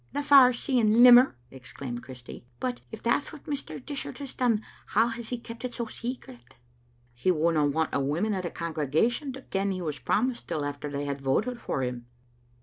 " The far seeing limmer," exclaimed Chirsty. " But if that's what Mr. Dishart has done, how has he kept it so secret?" '* He wouldna want the women o' the congregation to ken he was promised till after they had voted for him."